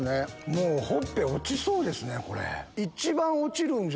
もうほっぺ落ちそうですね。